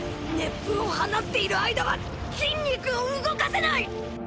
熱風を放っている間は筋肉を動かせない！！